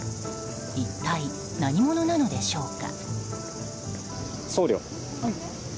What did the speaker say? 一体何者なのでしょうか？